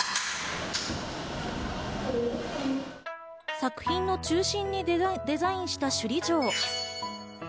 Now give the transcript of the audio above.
作品の中心にデザインした首里城。